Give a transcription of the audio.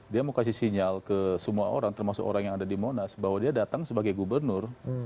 dia mau kasih sinyal ke semua orang termasuk orang yang ada di monas bahwa dia datang sebagai gubernur